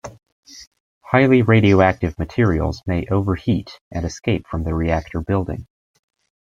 Highly radioactive materials may overheat and escape from the reactor building.